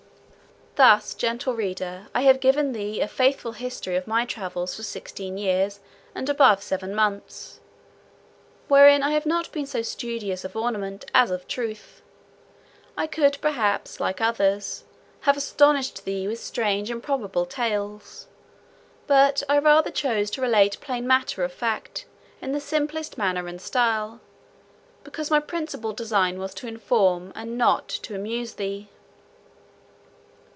Thus, gentle reader, I have given thee a faithful history of my travels for sixteen years and above seven months: wherein I have not been so studious of ornament as of truth. I could, perhaps, like others, have astonished thee with strange improbable tales; but I rather chose to relate plain matter of fact, in the simplest manner and style; because my principal design was to inform, and not to amuse thee.